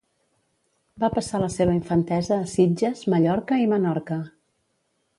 Va passar la seva infantesa a Sitges, Mallorca i Menorca.